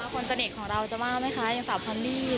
คนสนิทของเราจะมากมั้ยคะอย่างสาวพอลลี่